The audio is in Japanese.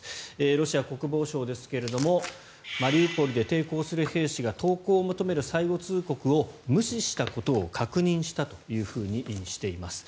ロシア国防省ですがマリウポリで抵抗する兵士が投降を求める最後通告を無視したことを確認したとしています。